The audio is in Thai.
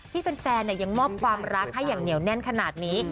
แฟนยังมอบความรักให้อย่างเหนียวแน่นขนาดนี้